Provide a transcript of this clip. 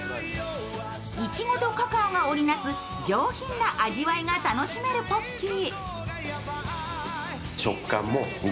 いちごとカカオが織り成す上品な味わいが楽しめるポッキー。